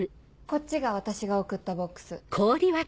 こっちが私が送ったボックス。